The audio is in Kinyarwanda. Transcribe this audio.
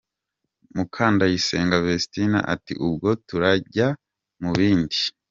Mukandayisenga Vestine ati“Ubwo turajya mu bindi.